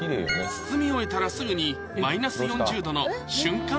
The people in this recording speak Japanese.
包み終えたらすぐにマイナス４０℃の瞬間